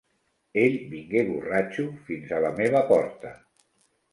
Ell vingué borratxo fins a la meva porta.